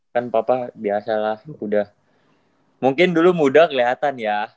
kan papa biasa lah udah mungkin dulu muda kelihatan ya